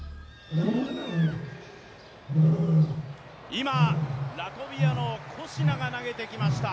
今、ラトビアのコシナが投げてきました。